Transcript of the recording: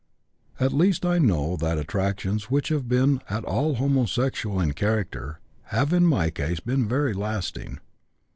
At least I know that attractions which have been at all homosexual in character have in my case been very lasting.